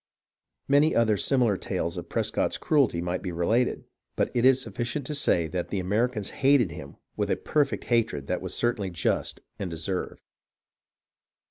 Many other similar tales of Prescott's cruelty might be related, but it is sufficient to say that the Americans hated him with a perfect hatred that was certainly just and deserved.